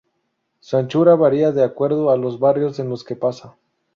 Su anchura varía de acuerdo a los barrios en los que pasa.